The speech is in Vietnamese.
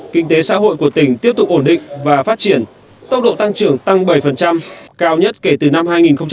kinh tế xã hội của tỉnh tiếp tục ổn định và phát triển tốc độ tăng trưởng tăng bảy cao nhất kể từ năm hai nghìn một mươi